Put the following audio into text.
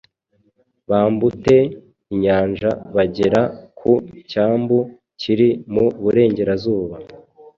bambute inyanja bagera ku cyambu kiri mu burengerazuba